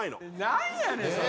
なんやねんそれ。